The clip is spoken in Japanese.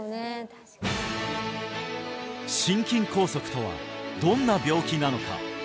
確か心筋梗塞とはどんな病気なのか？